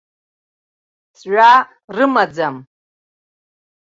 Ҵҩа рымаӡам.